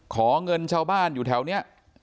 ขอเงินชาวบ้านอยู่แถวนี้